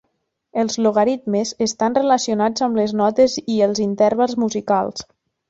Els logaritmes estan relacionats amb les notes i els intervals musicals.